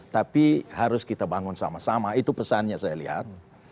tapi harus kita bangun sama sama itu pesannya saya lihat